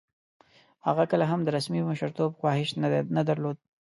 هغه کله هم د رسمي مشرتوب خواهیش نه درلود.